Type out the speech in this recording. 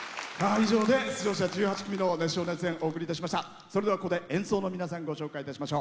以上で出場者１８組の熱唱・熱演、お送りいたしました。